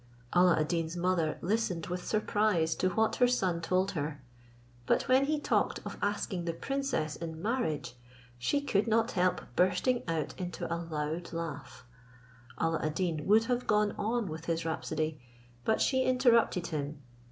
Alla ad Deen's mother listened with surprise to what her son told her; but when he talked of asking the princess in marriage, she could not help bursting out into a loud laugh. Alla ad Deen would have gone on with his rhapsody, but she interrupted him.